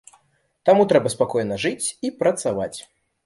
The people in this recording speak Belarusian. Таму трэба спакойна жыць і працаваць.